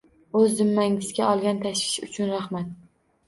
O'z zimmangizga olgan tashvish uchun, rahmat.